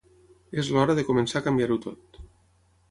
És l’hora de començar a canviar-ho tot.